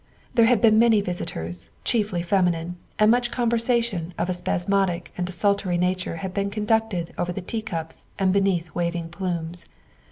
There had been many visitors, chiefly femi nine, and much conversation of a spasmodic and desul tory nature had been conducted over the teacups and beneath waving plumes.